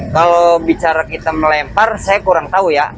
kalau bicara kita melempar saya kurang tahu ya